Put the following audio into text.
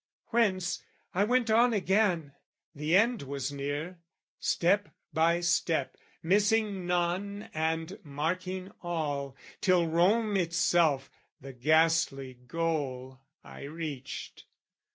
Whence I went on again, the end was near, Step by step, missing none and marking all, Till Rome itself, the ghastly goal, I reached.